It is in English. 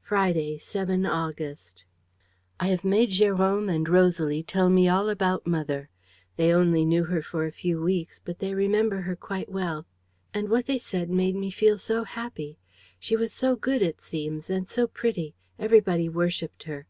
"Friday, 7 August. "I have made Jérôme and Rosalie tell me all about mother. They only knew her for a few weeks, but they remember her quite well; and what they said made me feel so happy! She was so good, it seems, and so pretty; everybody worshiped her.